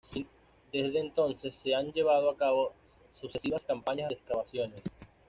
Desde entonces se han llevado a cabo sucesivas campañas de excavaciones.